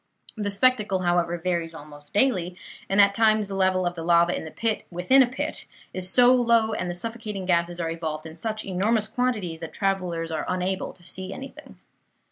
The spectacle, however, varies almost daily; and at times the level of the lava in the pit within a pit is so low, and the suffocating gases are evolved in such enormous quantities, that travellers are unable to see anything.